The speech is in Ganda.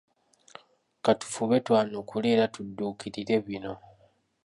Ka tufube twanukule era tudduukirire bino